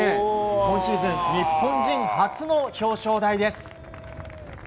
今シーズン日本人初の表彰台です。